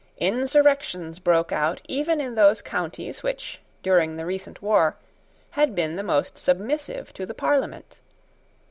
Insurrections broke out even in those counties which, during the recent war, had been the most submissive to the Parliament.